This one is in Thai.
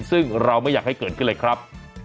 ซึ่งเราไม่อยากให้เกิดขึ้นเลยครับ